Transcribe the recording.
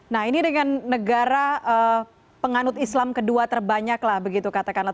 nah ini dengan negara penganut islam kedua terbanyak lah begitu katakanlah